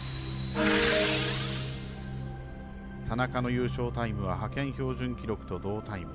田中の優勝タイムは派遣標準記録と同タイム。